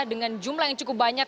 dengan jumlah yang cukup banyak